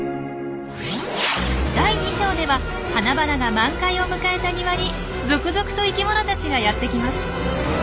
第２章では花々が満開を迎えた庭に続々と生きものたちがやってきます。